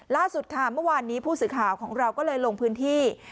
ล่าสุดค่ะเมื่อวานนี้ผู้สื่อข่าวของเราก็เลยลงพื้นที่